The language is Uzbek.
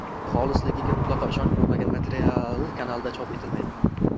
Xolisligiga mutlaqo ishonch boʻlmagan material kanalda chop etilmaydi. S